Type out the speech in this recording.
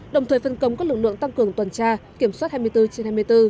đồng thời phân công các lực lượng tăng cường tuần tra kiểm soát hai mươi bốn trên hai mươi bốn